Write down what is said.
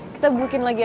kita bukin lagi aja